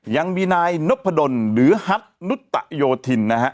ยังมีนายนพดลหรือฮัทนุตโยธินนะฮะ